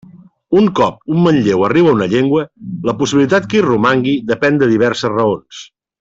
Un cop un manlleu arriba a una llengua, la possibilitat que hi romangui depèn de diverses raons.